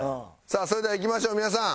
さあそれではいきましょう皆さん。